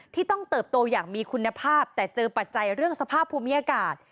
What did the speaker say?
ที่ต้องเติบโตอย่างมีคุณภาพแต่เจอปัจจัยเรื่องสภาพภูมิอากาศ